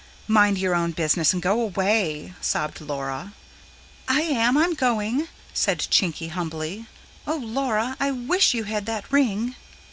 "Mind your own business and go away," sobbed Laura. "I am, I'm going," said Chinky humbly. "Oh, Laura, I WISH you had that ring."